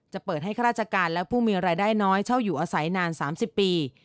เปิดให้ข้าราชการและผู้มีรายได้น้อยเช่าอยู่อาศัยนาน๓๐ปี